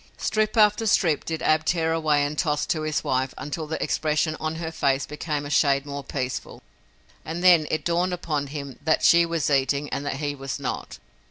Strip after strip did Ab tear away and toss to his wife until the expression on her face became a shade more peaceful and then it dawned upon him that she was eating and that he was not.